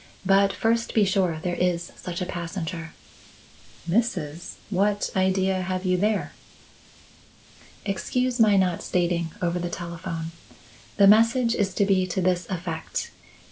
But first be sure there is such a passenger." "Mrs.! What idea have you there?" "Excuse my not stating over the telephone. The message is to be to this effect.